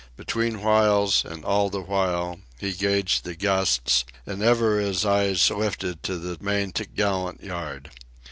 Between whiles, and all the while, he gauged the gusts, and ever his eyes lifted to the main topgallant yard.